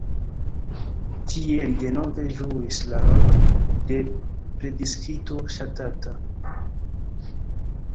Tie li denove ĝuis la rolon de predikisto ŝatata.